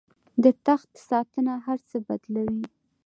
د تخت ساتنه هر څه بدلوي.